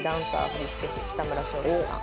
振付師北村将清さん。